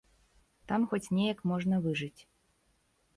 Там хоць неяк можна выжыць.